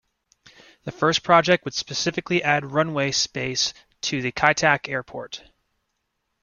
The first project would specifically add runway space to the Kai Tak Airport.